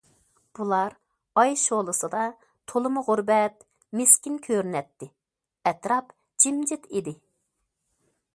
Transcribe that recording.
بۇلار ئاي شولىسىدا تولىمۇ غۇربەت، مىسكىن كۆرۈنەتتى، ئەتراپ جىمجىت ئىدى.